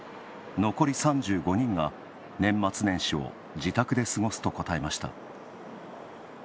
残り３５人が年末年始を自宅で過ごすと答えました。